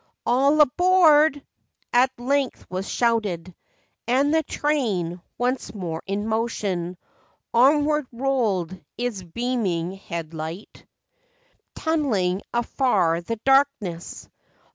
"All a board !" at length was shouted; And the train, once more in motion, Onward rolled, its beaming head light FACTS AND FANCIES. Tunneling afar the darkness.